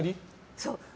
そう。